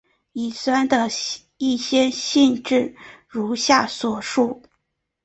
乙酸的一些性质如下所述。